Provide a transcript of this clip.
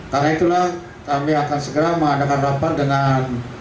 karena itulah kami akan segera mengadakan rapat dengan